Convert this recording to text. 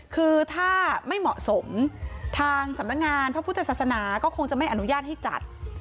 คือถ้าไม่เหมาะสมทางสำนักงานพระพุทธศาสนาก็คงจะไม่อนุญาตให้จัด